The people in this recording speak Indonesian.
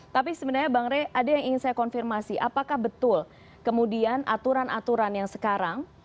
tapi sebenarnya bang rey ada yang ingin saya konfirmasi apakah betul kemudian aturan aturan yang sekarang